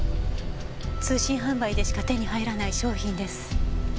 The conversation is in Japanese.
通信販売でしか手に入らない商品です。